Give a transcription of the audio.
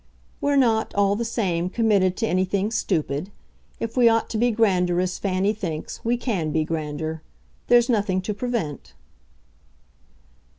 "We're not, all the same, committed to anything stupid. If we ought to be grander, as Fanny thinks, we CAN be grander. There's nothing to prevent."